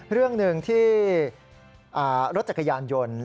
เรื่องหนึ่งที่รถจักรยานยนต์